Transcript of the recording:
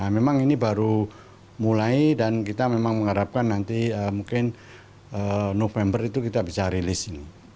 memang ini baru mulai dan kita memang mengharapkan nanti mungkin november itu kita bisa rilis ini